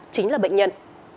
chính là bệnh nhân